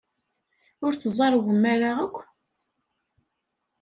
Ur tzerrwem ara akk?